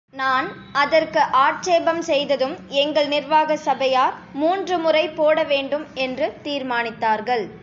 நான் அதற்கு ஆட்சேபம் செய்ததும் எங்கள் நிர்வாக சபையார், மூன்று முறை போடவேண்டும் என்று தீர்மானித்தார்கள்.